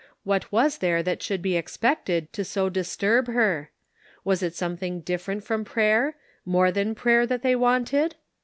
What was there that should be expected to so disturb her ? Was it something different from prayer — more than prayer that they wanted